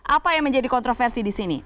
apa yang menjadi kontroversi disini